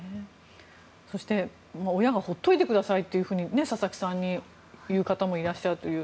そして親が放っておいてくださいと佐々木さんに言う方もいらっしゃるという。